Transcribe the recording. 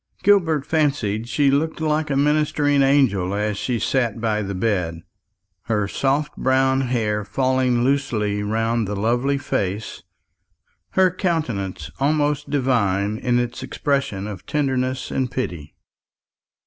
Gilbert fancied she looked like a ministering angel as she sat by the bed, her soft brown hair falling loosely round the lovely face, her countenance almost divine in its expression of tenderness and pity.